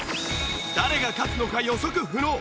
誰が勝つのか予測不能。